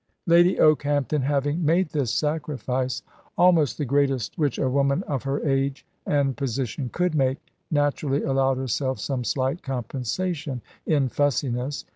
Lady Okehampton having made this sacrifice, almost the greatest which a woman of her age and position could make, naturally allowed herself some slight compensation in fussiness.